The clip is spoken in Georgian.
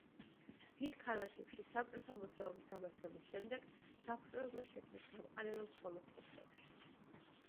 დიდ ქალაქებში საბჭოთა მოძრაობის დამარცხების შემდეგ, საბჭოებმა შეძლეს გამყარება მხოლოდ სოფლებში.